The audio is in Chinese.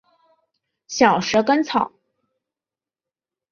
小蛇根草